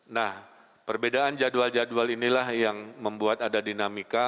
nah perbedaan jadwal jadwal inilah yang membuat ada dinamika